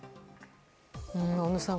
小野さん